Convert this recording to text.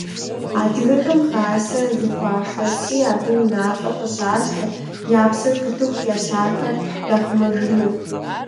Адыгэхэм хасэ зэхуашэсри, абы унафэ къыщащтэ, я псэр пытыху я лъахэр яхъумэжыну.